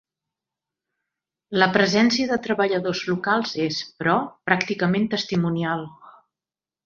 La presència de treballadors locals és, però, pràcticament testimonial.